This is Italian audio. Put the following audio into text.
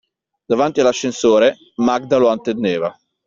Davanti all'ascensore, Magda lo attendeva.